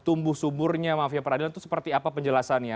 ibu sumurnya mafia peradilan itu seperti apa penjelasannya